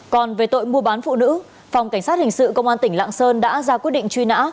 còn về tội mua bán phụ nữ phòng cảnh sát hình sự công an tỉnh lạng sơn đã ra quyết định truy nã